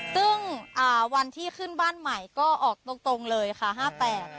ซึ่งวันที่ขึ้นบ้านใหม่ก็ออกตรงเลยค่ะ๕๘